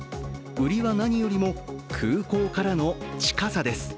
売りは何よりも空港からの近さです。